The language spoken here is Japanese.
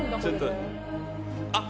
あっ。